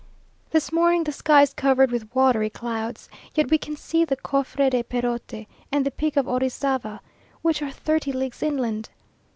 This morning the sky is covered with watery clouds, yet we can see the Cofre de Perote and the peak of Orizava, which are thirty leagues inland!